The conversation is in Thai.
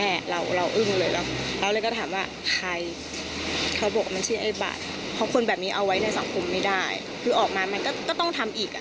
เอาไว้ในสังคมไม่ได้คือออกมามันก็ต้องทำอีก